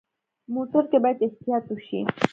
موټر کې باید احتیاط وشي.